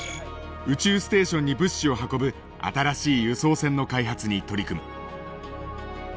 宇宙ステーションに物資を運ぶ新しい輸送船の開発に取り組む。